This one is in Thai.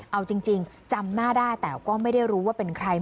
เอาจริงจำหน้าได้แต่ก็ไม่ได้รู้ว่าเป็นใคร